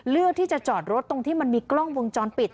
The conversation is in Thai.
เลือกที่จะจอดรถตรงที่มันมีกล้องวงจรปิด